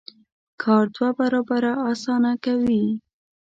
کار دوه برابره اسانه کوي.